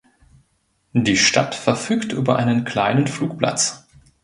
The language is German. Die Stadt verfügt über einen kleinen Flugplatz.